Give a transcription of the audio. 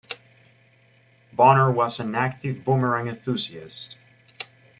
Bonner was an active boomerang enthusiast.